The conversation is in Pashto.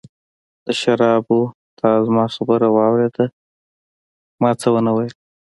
د شرابو، تا زما خبره واورېده، ما څه ونه ویل.